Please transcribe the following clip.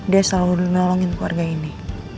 dia selalu nolongin keluarga ini